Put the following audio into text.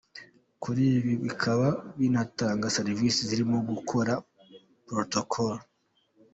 Kuri ibi bakaba banatanga serivise zirimo gukora protocol.